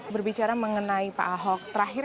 berbicara mengenai pak ahok terakhir